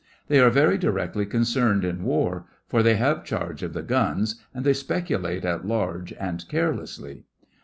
They are very directly concerned in War, for they have charge of the guns, and they speculate at large and carelessly.